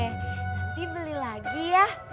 nanti beli lagi ya